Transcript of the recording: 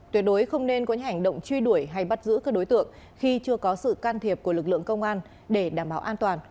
tuyệt đối không nên có những hành động truy đuổi hay bắt giữ các đối tượng khi chưa có sự can thiệp của lực lượng công an để đảm bảo an toàn